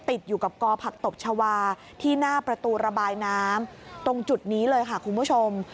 ติดอยู่กับกอผักตบชาวาที่หน้าประตูระบายน้ำตรงจุดนี้เลยค่ะคุณผู้ชม